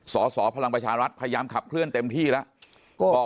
สสพลังประชารัฐพยายามขับเคลื่อนเต็มที่แล้ว